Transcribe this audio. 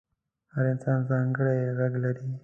هر انسان ځانګړی غږ لري.